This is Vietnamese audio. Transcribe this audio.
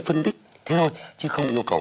phân tích thế thôi chứ không yêu cầu